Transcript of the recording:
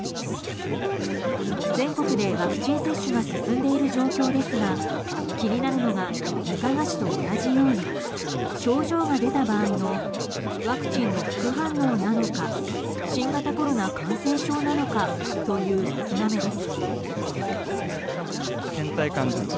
全国でワクチン接種が進んでいる状況ですが気になるのが額賀氏と同じように症状が出た場合のワクチンの副反応なのか新型コロナ感染症なのかという見極めです。